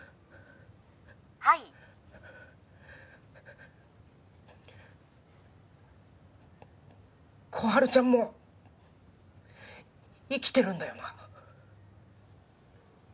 はい心春ちゃんも生きてるんだよな？